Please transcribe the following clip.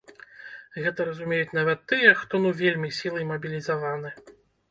Гэта разумеюць нават тыя, хто ну вельмі сілай мабілізаваны.